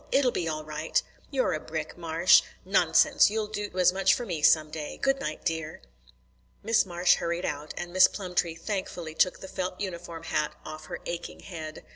It'll be all right." "You are a brick, Marsh." "Nonsense! You'll do as much for me some day. Goodnight, dear." Miss Marsh hurried out, and Miss Plumtree thankfully took the felt uniform hat off her aching head.